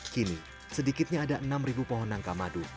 kini sedikitnya ada enam pohon nangka madu